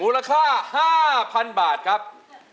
ค่า๕๐๐๐บาทครับ